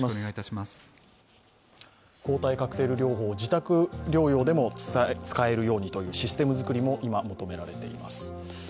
抗体カクテル療法、自宅療養でも使えるようにというシステム作りも今求められています。